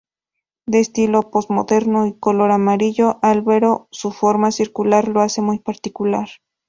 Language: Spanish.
De estilo posmoderno y color amarillo albero, su forma circular lo hace muy particular.